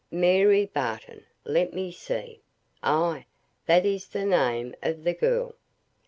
"Mary Barton! let me see. Ay, that is the name of the girl.